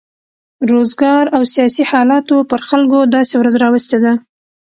روزګار او سیاسي حالاتو پر خلکو داسې ورځ راوستې ده.